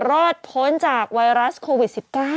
รอดพ้นจากไวรัสโควิด๑๙